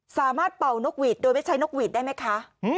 เป่านกหวีดโดยไม่ใช้นกหวีดได้ไหมคะ